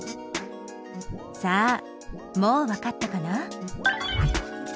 さあもうわかったかな？